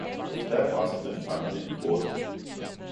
Da brast den fangne i gråd.